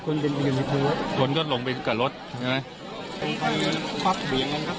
คนอ่ะคนอ่ะคนก็ลงบินกับรถเห็นไหม